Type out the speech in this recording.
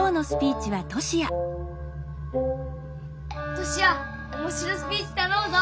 トシヤおもしろスピーチたのむぞ！